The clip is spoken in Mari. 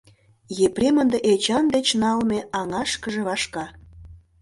Епрем ынде Эчан деч налме аҥашкыже вашка.